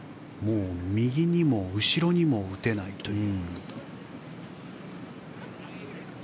右にも後ろにも打てないという。